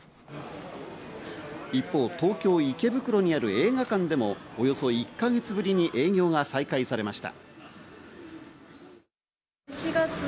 一方、東京・池袋にある映画館でもおよそ１か月ぶりに営業が再開されました。